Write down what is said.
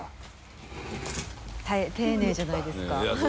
丁寧じゃないですか？